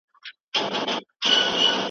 د رسا صاحب بیت مي په حافظه کي نقش دی.